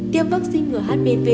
tiêm vắc xin ngừa hpv